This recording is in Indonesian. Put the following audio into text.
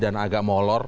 dan agak molor